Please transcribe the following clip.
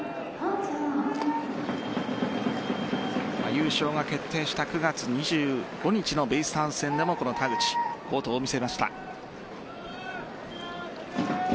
優勝が決定した９月２５日のベイスターズ戦でもこの田口、好投を見せました。